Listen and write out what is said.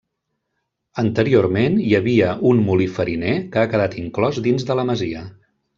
Anteriorment hi havia un molí fariner que ha quedat inclòs dins de la masia.